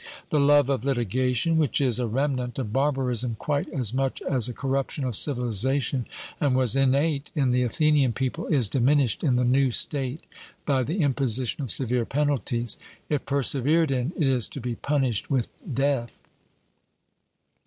The love of litigation, which is a remnant of barbarism quite as much as a corruption of civilization, and was innate in the Athenian people, is diminished in the new state by the imposition of severe penalties. If persevered in, it is to be punished with death.